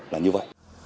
là như vậy